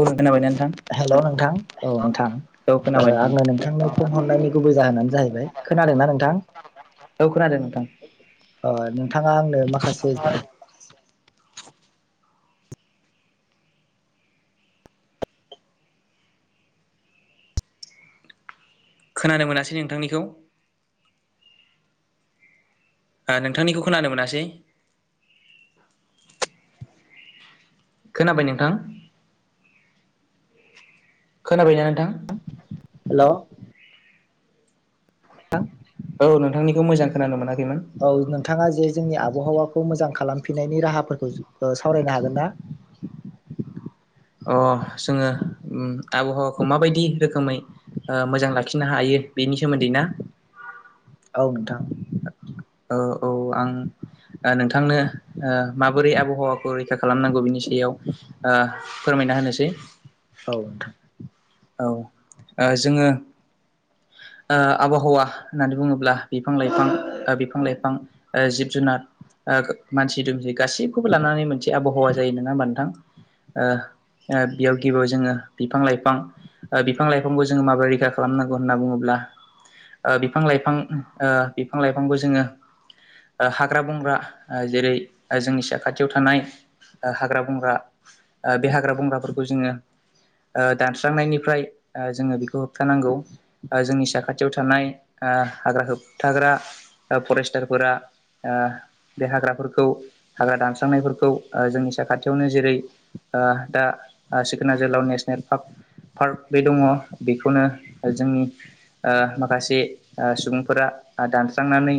औ खोनाबाय नोंथां। हेल' नोंथां औ नोंथां। औ ओ खोनाबाय नोंथां आङो नोंथांनो फन हरनायनि गुबै जाहोनानो जाहैबाय खोनादोंना नोंथां। औ खोनादों नोंथां। ओ नोंथाङा आंनो माखासे खोनानो मोनासै नोंथांनिखौ। ओ नोंथांनिखौ खोनानो मोनासै। खोनाबाय नोंथां। खोनाबाय ना नोंथां। हेलौ। थां औ नोंथांनिखौ मोजां खोनानो मोनाखैमोन। औ नोंथाङा जे जोंनि आबहावाखौ मोजां खालामफिननायनि राहाफोरखौ सावरायनो हागोन ना। अ जोङो उम आबहावाखौ माबायदि रोखोमै ओ मोजां लाखिनो हायो बेनि सोमोन्दै ना औ नोंथां। ओ औ आं। ओ नोंथांनो ओ माबोरै आबहावाखौ रैखा खालामनांगौ बिनि सायाव ओ फोरमायना होनोसै। औ। औ ओ जोङो ओ आबहावा होननानै बुङोब्ला बिफां लाइफां फां बिफां-लाइफां ओ जिब जुनार ओ मानसि दुमसि गासिखौबो लानानै मोनसे आबहावा जायो नङा होमबा नोंथां। ओ ओ बेयाव गिबियाव जोङो बिफां लाइफां। ओ बिफां लाइफांखौ जोङो माबोरै रैखा खालामनांगौ होनना बुङोब्ला बिफां लाइफां बिफां लाइफांखौ जोङो हाग्रा बंग्रा जेरै जोंनि साखाथियाव थानाय हाग्रा बंग्रा बे हाग्रा बंग्राफोरखौ जोङो दानस्रांनायनिफ्राय जोङो बेखौ होबथानांगौ जोंनि साखाथियाव थानाय हाग्रा होब थाग्रा फरेस्टारफोरा बे हाग्राफोरखौ हाग्रा दानस्रांनायफोरखौ जोंनि साखाथियावनो जेरै ओ दा सिखोन जोहोलाव नेसनेल पार्क पार्क बे दङ बेखौनो जोंनि माखासे सुबुंफोरा दानस्रांनानै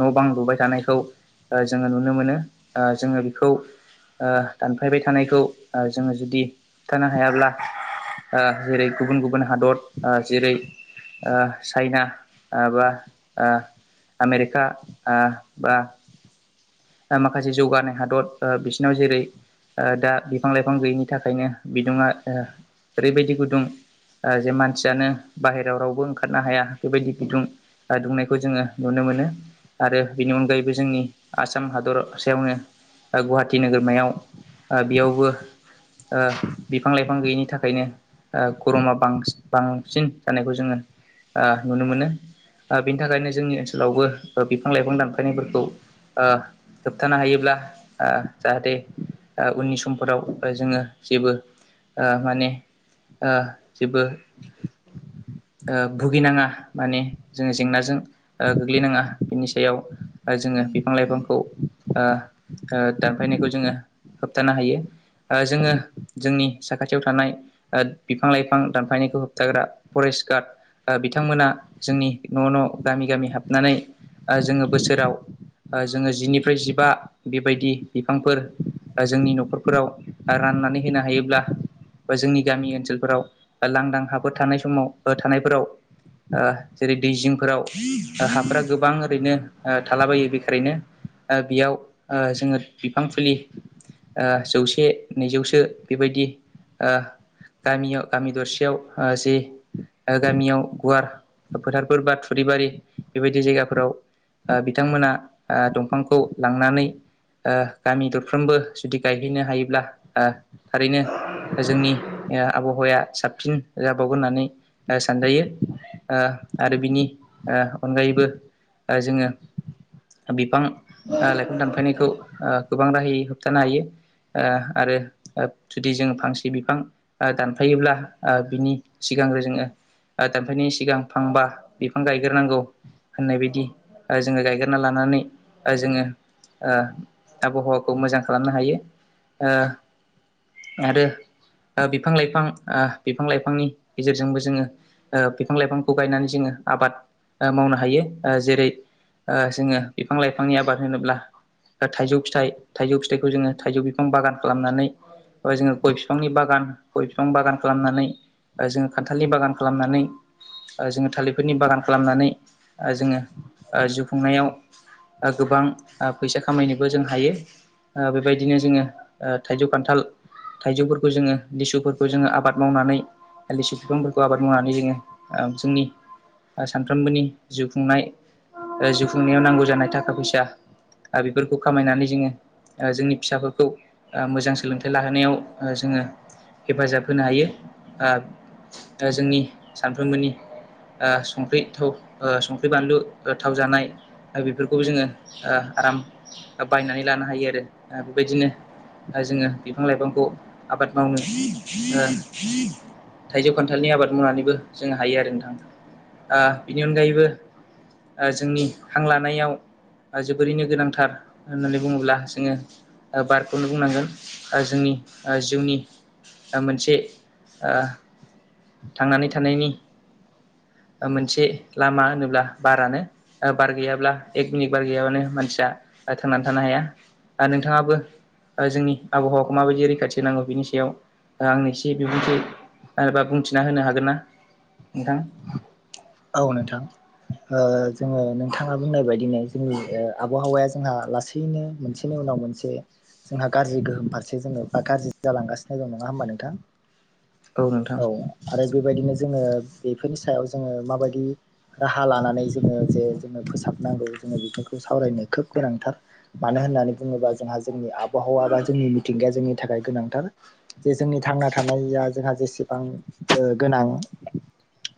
न' बां लुबाय थानायखौ जोङो नुनो मोनो जोङो बेखौ ओ दानफायबाय थानायखौ जोङो जुदि होबथानो हायाब्ला जेरै गुबुन गुबुन हादर जेरै ओ चाइना बा आमेरिका बा माखासे जौगानाय हादर बिसोरनाव जेरै ओ दा बिफां लाइफां गैयिनि थाखायनो बिदुङा ओरैबायदि गुदुं ओ जे मानसियानो बाहेरायाव रावबो ओंखारनो हाया बेबायदि बिदुं दुंनायखौ जोङो नुनो मोनो आरो बेनि अनगायैबो जोंनि आसाम हादर सायावनो गुवाहाटि नोगोरमायाव बेयावबो ओ बिफां लाइफां गैयिनि थाखायनो ओ गरमा बां-बांसिन जानायखौ जोङो ओ नुनो मोनो बेनि थाखायनो जोंनि ओनसोलावबो बिफां लाइफां दानफायनायफोरखौ ओ होबथानो हायोब्ला जाहाथे उननि समफोराव जोङो जेबो माने जेबो भुगिनाङा माने जोङो जेंनाजों गोग्लैनाङा बिनि सायाव जोङो बिफां लाइफांखौ दानफायनायखौ जोङो होबथानो हायो जोङो जोंनि साखाथियाव थानाय ओट बिफां लाइफां दानफायनायखौ होबथाग्रा फरेस्ट गार्ड बिथांमोना जोंनि न' न' गामि गामि हाबनानै जोङो बोसोराव जोङो जिनिफ्राय जिबा बेबायदि बिफांफोर जोंनि न'खरफोराव राननानै होनो हायोब्ला जोंनि गामि ओनसोलफोराव लांदां हाफोर थानाय समाव थानायफोराव जेरै दैजिंफोराव हाफोरा गोबां ओरैनो थालाबायो बे थारैनो बेयाव जोङो बिफां फुलि जौसे नैजौसो बेबायदि गामियाव गामि दरसेयाव जि गामियाव गुवार फोथारफोर बा थुरिबारि बेबायदि जायगाफोराव बिथांमोना दंफांखौ लांनानै ओ गामि दरफ्रोमबो जुदि गायहैनो हायोब्ला थारैनो जोंनि आबहावाया साबसिन साबसिन जाबावगोन होननानै सानजायो ओ आरो बिनि अनगायैबो जोङो बिफां लाइफां दानफायनायखौ गोबां राहायै होबथानो हायो आरो जुदि जों फांसे बिफां दानफायोब्ला बिनि सिगांग्रो जोङो थामफैनि सिगां फांबा बिफां गायग्रोनांगौ होननाय बायदि जोङो गायग्र लानानै जोङो आबहावाखौ मोजां खालामनो हायो ओ आरो बिफां लाइफां बिफां लाइफांनि गेजेरजोंबो जोङो ओ बिफां लाइफांखौ गायनानै जोङो आबाद मावनो हायो जेरै ओ जोङो बिफां लाइफांनि आबाद होनोब्ला थाइजौ फिथाइ थाइौ फिथाइ खौ जोङो थाइजौ बिफां बागान खालामनानै ओ जोङो गय बिफांनि बागान गय बिफां बागान खालामनानै ओ जोङो खान्थालनि बागान खालामनानै ओ जोङो थालिरफोरनि बागान खालामनानै ओ जोङो जु खुंनायाव गोबां फैसा खामायनोबो जों हायो बेबायदिनो जोङो ओ थाइजौ खान्थाल थाइजौफोरखौ जोङो लिसुफोरखौ जोङो आबाद मावनानै लिसु बिफांफोरखौ आबाद मावनानै जोङो जोंनि सानफ्रोमबोनि जिउ खुंनाय जिउ खुंनायाव नांगौ जानाय थाखा फैसा बेफोरखौ खामायनानै जोङो ओ जोंनि फिसाफोरखौ मोजां सोलोंथाइ लाहोनायाव जोङो हेफाजाब होनो हायो जोंनि सानफ्रोमबोनि ओ संख्रि थाओ संख्रि बानलु थाव जानाय बेफोरखौबो ओ जोङो आराम बायनानै लानो हायो आरो बेबायदिनो जोङो बिफां लाइफांखौ आबाद मावनो थाइजौ खान्थालनि आबाद मावनानैबो जों हायो आरो नोंथां ओ बेनि अनगायैबो जोंनि हां लानायाव जोबोरैनो गोनांथार होननानै बुङोब्ला जोङो बारखौनो बुंनांगोन जोंनि जिउनि मोनसे ओ थांनानै थानायनि मोनसे लामा होनोब्ला बारानो बार गैयाब्ला एक मिनिट बार गैयाबानो मानसिया थांनानै थानो हाया आरो नोंथाङाबो जोंनि आबहावाखौ माबायदि रैखाथि होनांगौ बिनि सायाव आंनो एसे बिबुंथि आरोबा बुंथिना होनो हागोन ना नोंथां औ नोंथां ओ जोङो नोंथाङा बुंनाय बायदिनो जोंनि आबहावाया जोंहा लासै बिदिनो मोनसेनि उनाव मोनसे जोंहा गाज्रि गोहोम फारसे जोङो बा गाज्रि जालांगासिनो दं नङा होमबा नोंथां औ आरो बेबायदिनो जोङो बेफोरनि सायाव जोङो माबायदि राहा लानानै जोङो जे जोङो फोसाबनांगौ जोङो बेफोरखौ सावरायनो खोब गोनांथार मानो होननानै बुङोबा जोंहा जोंनि आबहावा बा जोंनि मिथिंगाया जोंनि थाखाय गोनांथार जे जोंनि थांना थानाया जोंहा जेसेबां गोनां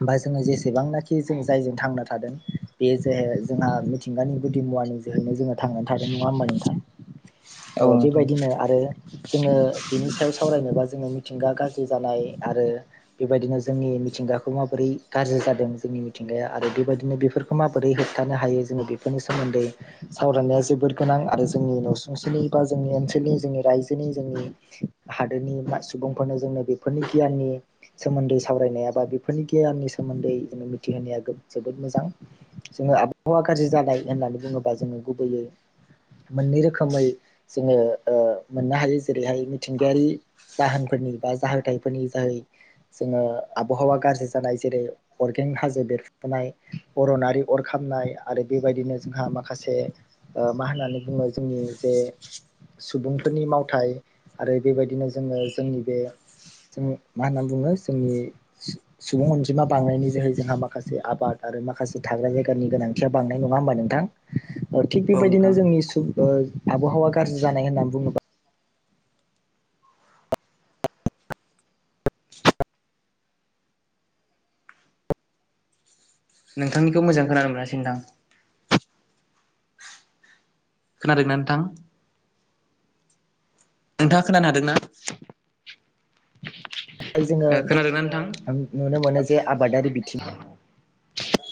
बा जोङो जेसेबांनाखि जों जायजों थांना थादों बे जे जोंहा मिथिंगानि गुदि मुवानि जोहैनो जोङो थांनानै थादों नङा होमबा नोंथां औ ओ नोंथां बेबायदिनो आरो जोङो बिनि सायाव सावरायनोबा जोङो मिथिंगा गाज्रि जानाय आरो बेबायदिनो जोंनि मिथिंगाखौ खौ माबोरै गाज्रि जादों जोंनि मिथिंगाया आरो बेबायदिनो बेफोरखौ माबोरै होबथानो हायो जोङो बेफोरनि सोमोन्दै सावरायनाया जोबोर गोनां आरो जोंनि न'सुंसेनि बा जोंनि ओनसोलनि जोंनि रायजोनि जोंनि हादोरनि सुबुंफोरनो जोंनो बेफोरनि गियाननि सोमोन्दै सावरायनाय बा बेफोरनि गियाननि सोमोन्दै जोङो मिथिहोनाया जोबोद मोजां जोङो आबहावा गाज्रि जानाय होननानै बुङोबा जोङो गुबैयै मोननै रोखोमै जोङो ओ मोननो हायो जेरैहाय मिथिंगायारि जाहोनफोरनि बा जाहोथायफोरनि जायै जोङो आबहावा गाज्रि जानाय जेरै अरगें हाजो बेरफुनाय अर'नारि अर खामनाय आरो बेबायदिनो जोंहा माखासे मा होननानै बुङो जोंनि जे सुबुंफोरनि मावथाय आरो बेबायदिनो जोङो जोंनि बे जों मा होनना बुङो जोंनि सुबुं अनजिमा बांनायनि जोहै जोंहा माखासे आबाद आरो माखासे थाग्रा जायगानि गोनांथिया बांनाय नङा होमबा नोंथां। थिग औ नोंथां बेबायदिनो जोंनि आबहावा गाज्रि जानाय होननानै बुङोब्ला। नोंथांनिखौ मोजां खोनानो मोनासै नोंथां खोनादों ना नोंथां नोंथाङा खोनानो हादोंना। जोङो खोनादोंना नोंथां? नुनो मोनो जे आबादारि बिथिं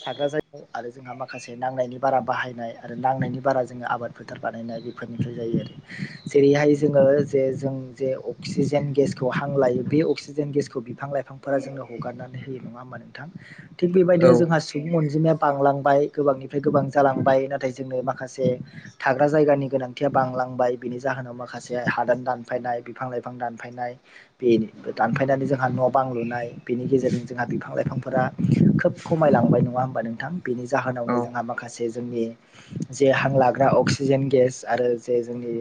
थाग्रा जायगा आरो जोंहा माखासे नांनायनि बारा बाहायनाय आरो नांनायनि बारा जोङो आबाद फोथार बानायनाय बेफोरनिफ्राय जायो आरो। जेरैहाय जोङो जे जों जे अक्सिजेन गेसखौ हां लायो बे अक्सिजेन गेसखौ बिफां लाइफांफोरा जोंनो हगारनानै होयो नङा हबा नोंथां थिक औ बेबायदिनो जोंहा सुबुं अनजिमाया बांलांबाय गोबांनिफ्राय गोबां जालांबाय नाथाय जोङो माखासे थाग्रा जायगानि गोनांथिया बांलांबाय बिनि जाहोनाव माखासे हादान दानफायनाय बिफां लाइफां दान फायनाय बे दानफायनानै जोंहा न' बां लुनाय बेनि गेजेरजों जोंहा बिफां लाइफांफोरा खोब खमायलांबाय नङा होमबा नोंथां बेनि औ जाहोनावनो जोंहा माखासे जोंनि जे हां लाग्रा अक्सिजेन गेस आरो जे जोंनि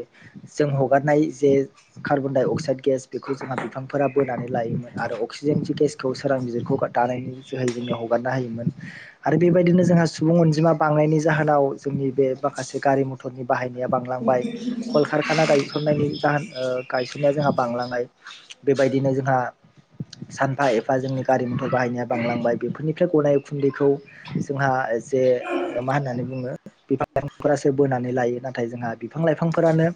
जों हगारनाय जे कार्बन डाइ अक्साइद गेस बेखौ जोंहा बिफांफोरा बोनानै लायोमोन आरो अक्सिजेन जि गेस खौ सोरांबिरखौ दानायनि जोहै जोंनो हगारना होयोमोन आरो बेबायदिनो जोंहा सुबुं अनजिमा बांनायनि जाहोनाव जोंनि बे माखासे गारि मथरनि बाहायनाया बांलांबाय कलकारखाना गायसननायनि जाहोन गायसननाया जोंहा बांलांनाय बेबायदिनो जोंहा सानफा एफा जोंनि गारि मथर बाहायनाया बांलांबाय बेफोरनिफ्राय गनाय उखुन्दैखौ। जोंहा एसे मा होननानै बुङो बिफां लाइफांफोरासो बोनानै लायो नाथाय जोंहा बिफां लाइफांफोरानो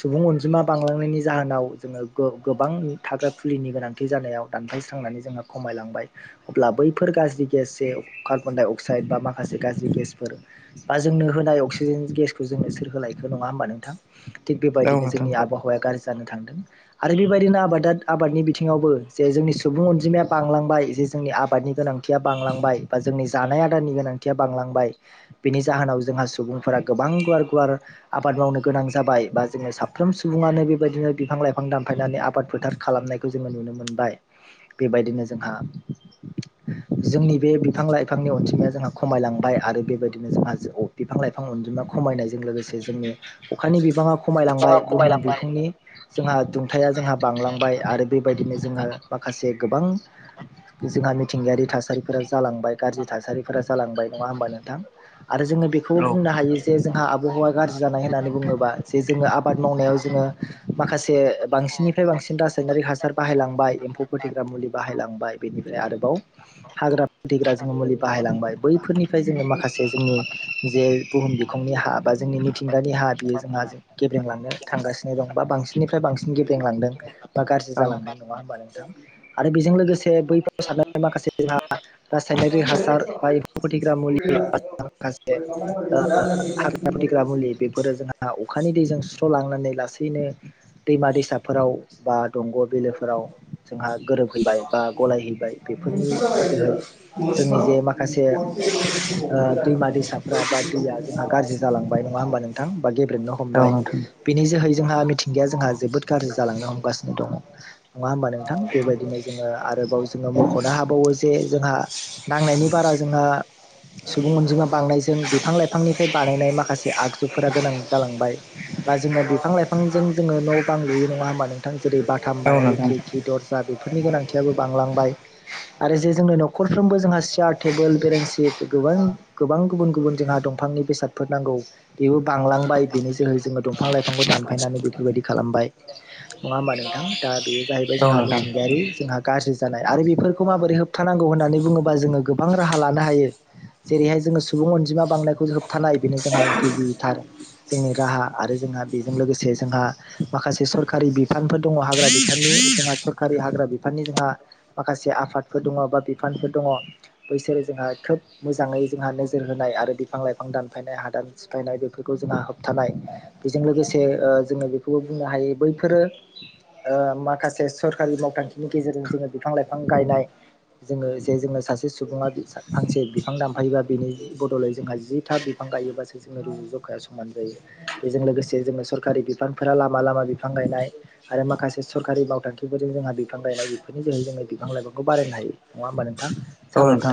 सुबुं अनजिमा बांलांनायनि जाहोनाव जोङो गोबां थाग्रा फुलिनि गोनांथि थि जानायाव दानथस्रांनानै जोंहा खमायलांबाय अब्ला बैफोर गाज्रि गेस कार्बन दडाइ अक्साइड बा माखासे गाज्रि गेसफोर बा जोंनो होनाय अक्सिजेन गेसखौ जोंनो सोर होनोलायख नङा होमबा नोंथां थिग औ बेबायदिनो नोंथां जोंनि आबहावाया गाज्रि जानो थांदों आरो बेबायदिनो आबाद आबादनि बिथिङावबो जे जोंनि सुबुं अनजिमाया बांलांबाय जे जोंनि आबादनि गोनांथि गोनांथिया बांलांबाय बा जोंनि जानाय आदारनि गोनांथिया बांलांबाय बिनि जाहोनाव जोंहा सुबुंफोरा गोबां गुवार गुवार आबाद मावनो गोनां जाबाय बा जोङो साफ्रोम सुबुङानो बेबायदिनो बिफां लाइफां दानफायनानै आबाद फोथार खालामनाय जोङो नुनो मोनबाय बेबायदिनो जोंहा जोंनि बे बिफां लाइफांनि अनजिमाया जोंहा खमायलांबाय आरो बेबायदिनो जोंहा बिफां लाइफां अनजिमा खमायनायजों लोगोसे जोंनि अखानि बिबाङा खमायलांबाय बुहुम बिखुंनि जोंहा दुंथाया जोंहा बांलांबाय आरो बेबायदिनो जोंहा माखासे गोबां जोंहा मिथिंगायारि थासारिफोरा जालांबाय गाज्रि थासारिफोरा जालांबाय नङा होमबा नोंथां आरो जोङो बेखौबो औ बुंनो हायो जे जोंहा आबहावा गाज्रि जानाय होननानै बुङोबा जे जोङो आबाद मावनायाव जोङो माखासे बांसिननिफ्राय बांसिन रासायनारिक हासार बाहायलांबाय एम्फौ फोथैग्रा मुलि बाहायलांबाय बेनिफ्राय आरोबाव हाग्रा फथैग्रा जोङो मुलि बाहायलांबाय बैफोरनिफ्राय जोङो माखासे जोंनि जे बुहुम बिखंनि हा बा जोंनि मिथिंगानि हा बियो जोंहा गेब्रेंलांनो थांगासिनो दं बा बांसिननिफ्राय बांसिन गेब्रेंलांदों बा गाज्रि जालांदों नङा होमबा नोंथां आरो बेजों लोगोसे बैफोराव सारनाय माखासे जोंहा रासायनारि हासार बा एम्फौ फोथग्रा मुलि माखासे हाग्रा फोथैग्रा औ फोथैग्रा मुलि बेफोरो जोंहा अखानि दैजों सुस्र'लांनानै लासैनो दैमा दैसाफोराव बा दंग' बिलोफोराव जोंहा गोरोबहैबाय बा गलायहैबाय औ बेफोरनि नोंथां औ नोंथां जोहै औ जोंनि जे माखासे दैमा दैसाफ्रा बा दैया जोंहा गाज्रि जालांबाय नङा होमबा नोंथां बा गेब्रेबनो हमबाय बिनि जोहै जोंहा मिथिंगाया जोंहा जोबोद गाज्रि जालांनो हमगासिनो दङ नङा होमबा नोंथां बेबायदिनो जोङो आरोबाव जोङो मख'नो हाबावो जे जे जोंहा नांनायनि बारा जोंहा सुबुं अनजिमा बांनायजों बिफां लाइफांनिफ्राय बानायनाय माखासे आगजुफोरा गोनां जालांबाय बा जोङो बिफां लाइफांजों जोङो न' बां लुययो नङा होमबा नोंथां जेरै बाथाम बानाय नोंथां खिरखि दरजा बेफोरनि गोनांथियाबो बांलांबाय आरो जे जोंनि न'खरफ्रोमबो जोंहा चयार टेबोल बेरेेंसि गोबां गोबां गुबुन गुबुन जोंहा दंफांनि बेसादफोर नांगौ बेबो बांलांबाय बिनि जोहै जोङो दंफां लाइफांखौ दानफायनानै बेफोरबायदि खालामबाय नङा होमबा नोंथां दा बेयो जाहैबाय जोंहा मिथिंगायारि जोंहा गाज्रि जानाय आरो बेफोर खौ माबोरै होबथानांगौ होननानै बुङोब्ला जोङो गोबां राहा लानो हायो जेरैहाय जोङो सुबुं अनजिमा बांनायखौ होबथानाय बेनो जोंहा गिबिथार जोंनि राहा आरो जोंहा बेजों लोगोसे जोंहा माखासे सरखारि बिफानफोर दङ हाग्रा बिफाननि जोंहा सरकारि हाग्रा बिफाननि जोंहा माखासे आफादफोर दङ बा बिफानफोर दङ बैसोरो जोंहा खोब मोजाङै जोंहा नोजोर होनाय आरो बिफां लाइफां दानफायनाय हादान सिफायनाय बेफोरखौ जोंहा होबथानाय बेजों लोगोसे जोङो बेखौबो बुंनो हायो बैफोरो माखासे सरकारि मावथांखिनि गेजेरजों जोङो बिफां लाइफां गायनाय जोङो जे जोंनो सासे सुबुङा फांसे बिफां दानफायोबा बेनि बदलै जोंहा जि था बिफां गायोबासो जोङो रुजु जखाया समान जायो बेजों लोगोसे जोङो सरखारि बिफांफोरा लामा लामा बिफां गायनाय आरो माखासे सरकारि मावथांखिफोरजों जोंहा बिफां गायनाय बेफोरनि जोहै जोङो बिफां लाइफां बायनो हायो नङा होमबा नोंथां औ साबायख थ नोंथां